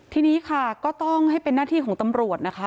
ทีนี้ค่ะก็ต้องให้เป็นหน้าที่ของตำรวจนะคะ